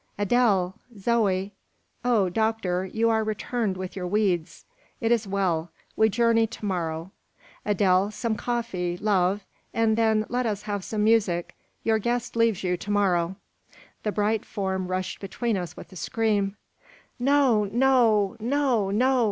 Adele! Zoe! Oh, doctor, you are returned with your weeds! It is well. We journey to morrow. Adele, some coffee, love! and then let us have some music. Your guest leaves you to morrow." The bright form rushed between us with a scream. "No, no, no, no!"